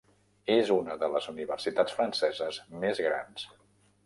És una de les universitats franceses més grans.